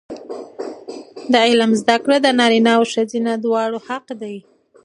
د علم زده کړه د نارینه او ښځینه دواړو حق دی.